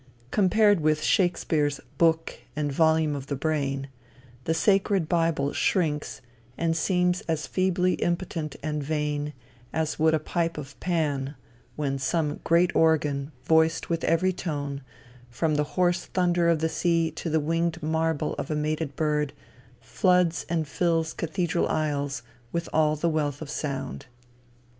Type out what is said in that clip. Compared with Shakespeare's "book and volume of the brain," the "sacred" bible shrinks and seems as feebly impotent and vain, as would a pipe of Pan, when some great organ, voiced with every tone, from the hoarse thunder of the sea to the winged warble of a mated bird, floods and fills cathedral aisles with all the wealth of sound.